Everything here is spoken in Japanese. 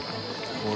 これ。